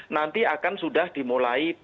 nanti akan sudah dimulai